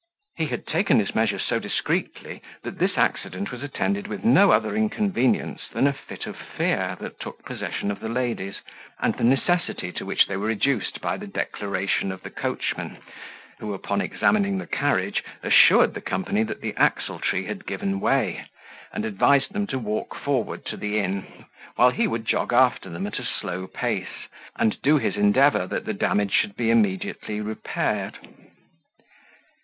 He had taken his measures so discreetly, that this accident was attended with no other inconvenience than a fit of fear that took possession of the ladies, and the necessity to which they were reduced by the declaration of the coachman, who, upon examining the carriage, assured the company that the axle tree had given way, and advised them to walk forward to the inn, while he would jog after them at a slow pace, and do his endeavour the damage should be immediately repaired.